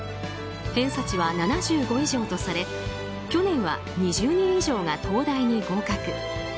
偏差値は７５以上とされ去年は２０人以上が東大に合格。